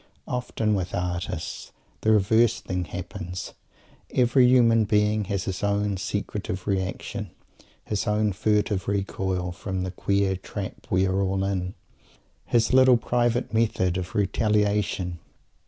Often, with artists, the reverse thing happens. Every human being has his own secretive reaction, his own furtive recoil, from the queer trap we are all in, his little private method of retaliation.